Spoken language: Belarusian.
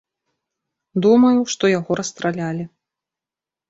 Думаю, што яго расстралялі.